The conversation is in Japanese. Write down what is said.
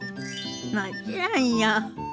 もちろんよ。